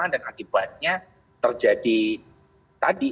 dan akibatnya terjadi tadi